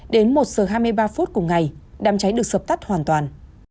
đến một giờ hai mươi ba phút cùng ngày đám cháy được sập tắt hoàn toàn